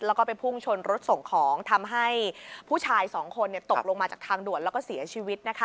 แล้วก็ไปพุ่งชนรถส่งของทำให้ผู้ชายสองคนตกลงมาจากทางด่วนแล้วก็เสียชีวิตนะคะ